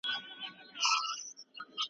آیا د پوهې کموالی د طلاق لامل ګرځي؟